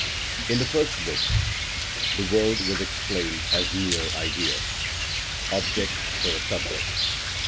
In the First Book the world was explained as mere idea, object for a subject.